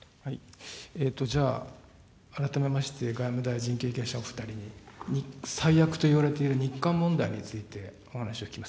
改めまして、外務大臣経験者お２人に、最悪といわれている日韓問題について、お話を聞きます。